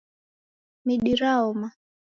Midi raoma